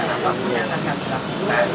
apa yang akan kita lakukan